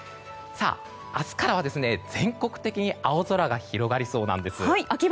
明日からは全国的に青空が広がりそうなんです。